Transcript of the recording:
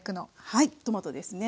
はいトマトですね。